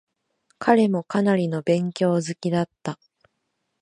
彼もかなりの勉強好きだった。